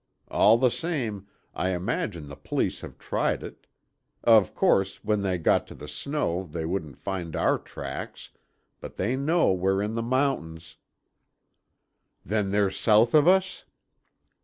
All the same, I imagine the police have tried it. Of course, when they got to the snow they wouldn't find our tracks, but they know we're in the mountains " "Then, they're south of us?"